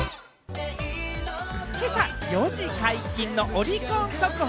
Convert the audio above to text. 今朝４時解禁のオリコン速報。